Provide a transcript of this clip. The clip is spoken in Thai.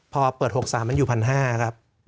พอเปิด๖๓มันอยู่๑๕๐๐ครับ